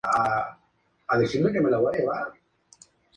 Es el único episodio de la serie, en contar con una hora de duración.